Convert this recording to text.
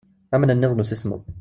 Amnenniḍ n usismeḍ.